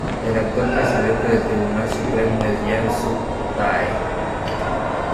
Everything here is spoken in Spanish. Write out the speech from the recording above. El actual Presidente del Tribunal Supremo es Yang Sung-Tae.